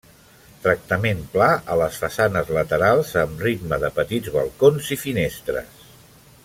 Tractament pla a les façanes laterals, amb ritme de petits balcons i finestres.